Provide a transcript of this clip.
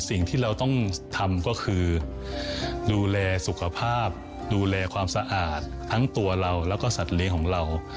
สิ่งที่เราต้องทำก็คือดูแลสุขภาพดูแลความสะอาดทั้งตัวเราแล้วก็สัตว์เลี้ยงของเรา